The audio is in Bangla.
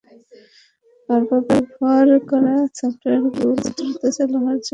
বারবার ব্যবহার করা সফটওয়্যারগুলো দ্রুত চালু হওয়ার জন্য সেগুলো র্যামে থেকে যায়।